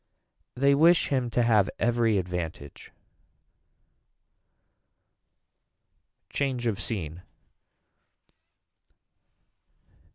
They wish him to have every advantage. Change of scene.